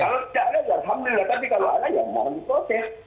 kalau tidak ada alhamdulillah tapi kalau ada ya mohon diproses